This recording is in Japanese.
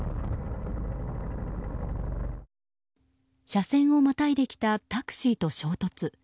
車線をまたいできたタクシーと衝突。